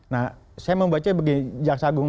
nah saya membaca begini jaksa agung